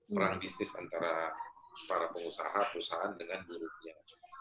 perang bisnis antara para pengusaha perusahaan dengan buruhnya